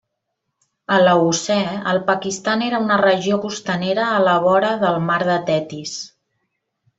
A l'Eocè, el Pakistan era una regió costanera a la vora del mar de Tetis.